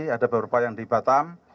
ada beberapa yang di batam